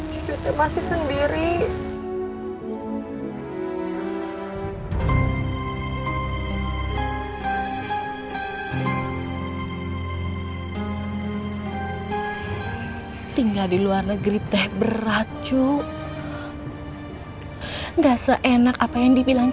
kamu kan bisa liat banyak penyiksaan dipukulin